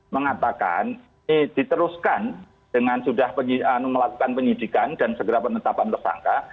mengatakan ini diteruskan dengan sudah melakukan penyidikan dan segera penetapan tersangka